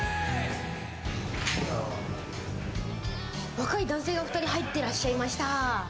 若い男性が２人入ってらっしゃいました。